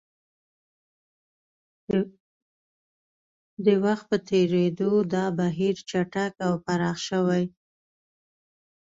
د وخت په تېرېدو دا بهیر چټک او پراخ شوی